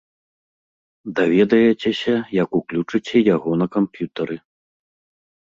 Даведаецеся, як уключыце яго на камп'ютары.